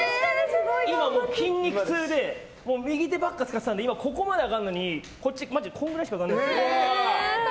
今、筋肉痛で右手ばっか使っていたので今、左ここまで上がるのに右このくらいしか上がらないです。